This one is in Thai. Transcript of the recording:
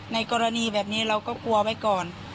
ในกรณีแบบนี้เราก็กลัวไว้ก่อน